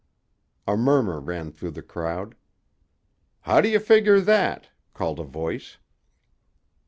A murmur ran through the crowd. "How do you figure that?" called a voice.